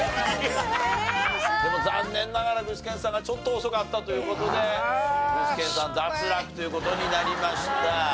でも残念ながら具志堅さんがちょっと遅かったという事で具志堅さん脱落という事になりました。